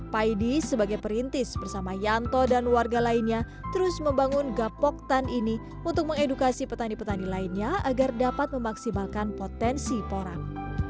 paidi sebagai perintis bersama yanto dan warga lainnya terus membangun gapoktan ini untuk mengedukasi petani petani lainnya agar dapat memaksimalkan potensi porang